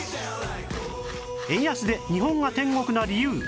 円安で日本が天国な理由